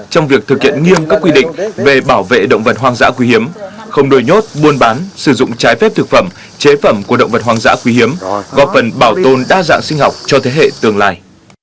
trong việc thực hiện nghiêm các quy định về bảo vệ động vật hoang dã quý hiếm không đổi nhốt buôn bán sử dụng trái phép thực phẩm chế phẩm của động vật hoang dã quý hiếm góp phần bảo tồn đa dạng sinh học cho thế hệ tương lai